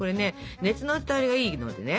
熱の伝わりがいいのでね